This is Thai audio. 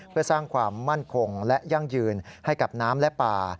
เพื่อสร้างความมั่นคงและยั่งยืนให้กับน้ำและป่า